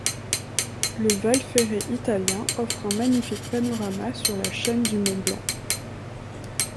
Le Val Ferret italien offre un magnifique panorama sur la chaîne du Mont-Blanc.